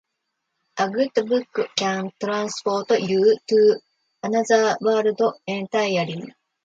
A good book can transport you to another world entirely.